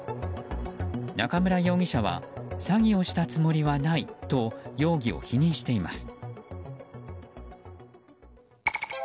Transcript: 中村容疑者は詐欺をしたつもりはないと容疑を否認しています。